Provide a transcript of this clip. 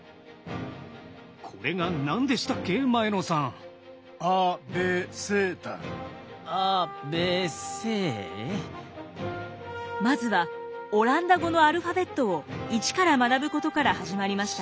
今までこの国でまずはオランダ語のアルファベットを一から学ぶことから始まりました。